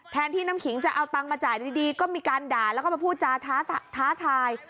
ที่น้ำขิงจะเอาตังค์มาจ่ายดีก็มีการด่าแล้วก็มาพูดจาท้าทาย